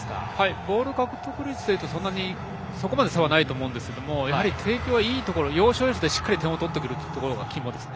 ボール獲得率はそこまで差はないと思うんですが帝京はいいところ要所要所でしっかり点を取ってくるところが肝ですね。